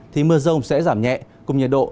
thì mưa rông sẽ giảm nhẹ cùng nhiệt độ